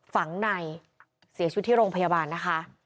ฝังในเสียชีวิตที่โรงพยาบาลนะคะ